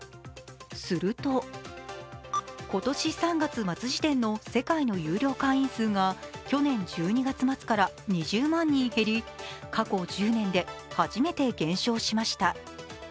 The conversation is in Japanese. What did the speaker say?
すると、今年３月末時点の有料会員数が去年１２月末から２０万人減り過去１０年で初めて減少しました。